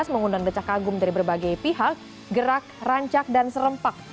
mengundang becak kagum dari berbagai pihak gerak rancak dan serempak